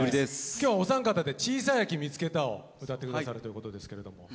今日はお三方で「ちいさい秋みつけた」を歌って下さるということですけれども。